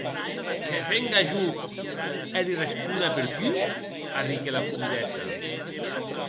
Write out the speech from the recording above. Que venga jo e li respona per tu?, arric era comdessa.